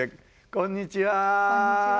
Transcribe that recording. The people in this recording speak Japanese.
こんにちは。